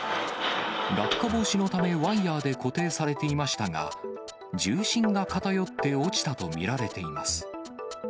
落下防止のため、ワイヤーで固定されていましたが、重心が偏って落ちたと見られています。